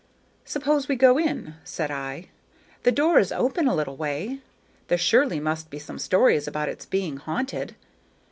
"Suppose we go in," said I; "the door is open a little way. There surely must be some stories about its being haunted.